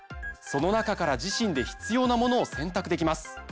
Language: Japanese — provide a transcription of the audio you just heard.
その中から自身で必要なものを選択できます。